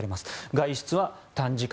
外出は短時間。